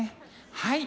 はい。